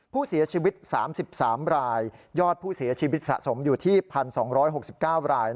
ผู้เสียชีวิต๓๓รายยอดผู้เสียชีวิตสะสมอยู่ที่๑๒๖๙ราย